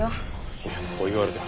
いやそう言われても。